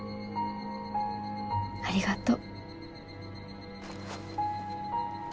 ありがとう。